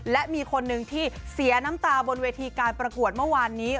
และมีคนหนึ่งที่เสียน้ำตาบนเวทีการประกวดเมื่อวานนี้